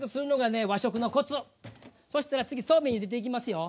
そしたら次そうめんゆでていきますよ。